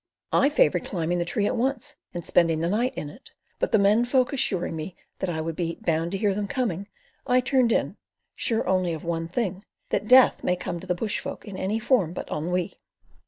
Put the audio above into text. I favoured climbing the tree at once, and spending the night in it, but the men folk assuring me that I would be "bound to hear them coming," I turned in, sure only of one thing, that death may come to the bush folk in any form but ennui.